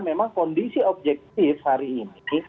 memang kondisi objektif hari ini